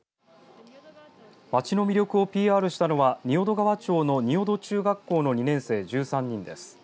町の魅力をＰＲしたのは仁淀川町の仁淀中学校の２年生、１３人です。